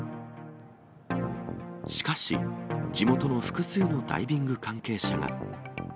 しかし、地元の複数のダイビング関係者が。